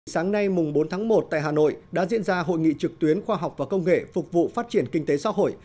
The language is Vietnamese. sáng nay bốn tháng một tại hà nội đã diễn ra hội nghị trực tuyến khoa học và công nghệ phục vụ phát triển kinh tế xã hội